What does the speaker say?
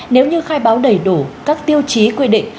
nếu như khai báo đầy đủ các tiêu chí quy định